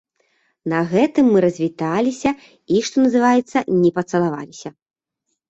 На гэтым мы развіталіся і, што называецца, не пацалаваліся.